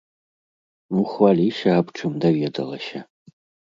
Ну хваліся, аб чым даведалася?